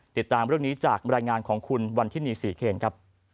ติดตามเรื่องนี้จากบรรยายงานของคุณวันที่๒เมษา